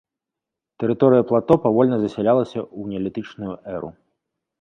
Тэрыторыя плато павольна засялялася ў неалітычную эру.